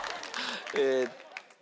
えっと。